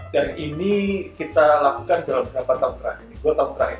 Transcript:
dan ini kita lakukan dalam beberapa tahun terakhir